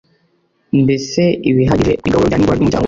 mbese ibihagije ku igaburo rya nimugoroba ry' umuryango we.